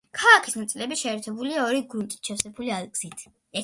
ქალაქის ნაწილები შეერთებულია ორი გრუნტით შევსებული გზით.